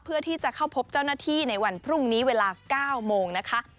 เพื่อที่จะเข้าพบเจ้าหน้าที่ในวันพรุ่งนี้เวลา๙โมงนะคะ